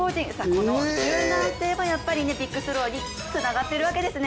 この柔軟性もビッグスローにつながってるわけですね。